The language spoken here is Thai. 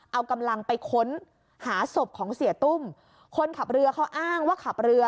เอากำลังไปค้นหาศพของเสียตุ้มคนขับเรือเขาอ้างว่าขับเรือ